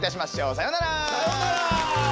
さようなら！